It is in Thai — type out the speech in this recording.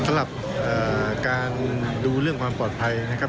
สำหรับการดูเรื่องความปลอดภัยนะครับ